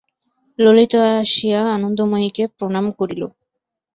ললিতা আসিয়া আনন্দময়ীকে প্রণাম করিল।